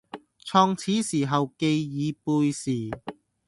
創始時候旣已背時，